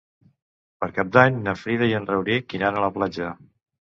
Per Cap d'Any na Frida i en Rauric iran a la platja.